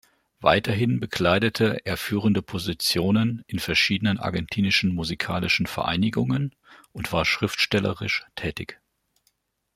Weiterhin bekleidete er führende Positionen in verschiedenen argentinischen musikalischen Vereinigungen und war schriftstellerisch tätig.